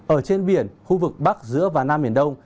ở trên biển khu vực bắc giữa và nam biển đông